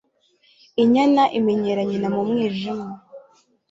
Inyana imenyera nyina mu mwijima